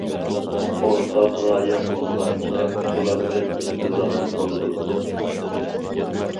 ئورتاق غايە بولغان ئىكەن، پولاتتەك ئىنتىزاممۇ بولىدۇ.